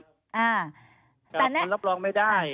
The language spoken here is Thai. แต่มันรับรองไม่ได้